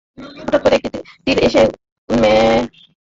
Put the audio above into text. হঠাৎ করে একটি তীর এসে উম্মে আয়মন রাযিয়াল্লাহু আনহা-এর পৃষ্ঠদেশে বিদ্ধ হয়।